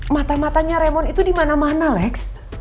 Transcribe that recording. mata matanya remon itu dimana mana lex